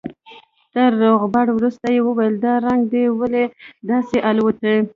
تر روغبړ وروسته يې وويل دا رنگ دې ولې داسې الوتى.